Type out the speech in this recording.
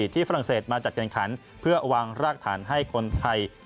ฝรั่งเศสมาจัดการขันเพื่อวางรากฐานให้คนไทย